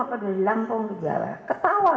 atau dari lampung ke jawa ketawa